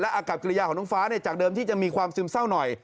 อากับกิริยาของน้องฟ้าจากเดิมที่จะมีความซึมเศร้าหน่อย